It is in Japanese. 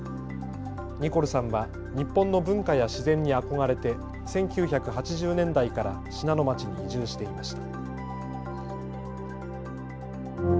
ニコルさんは日本の文化や自然に憧れて１９８０年代から信濃町に移住していました。